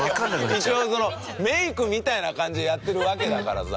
一応そのメイクみたいな感じでやってるわけだからさ。